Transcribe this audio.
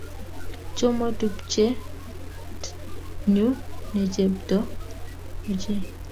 Choma tupchet nyu ne chepto ochei